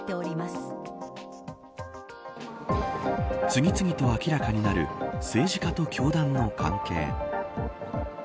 次々と明らかになる政治家と教団の関係。